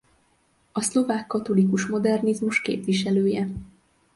A szlovák katolikus modernizmus képviselője.